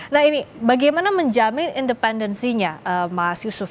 nah ini bagaimana menjamin independensinya mas yusuf